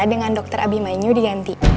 dengan dokter abimanyu diganti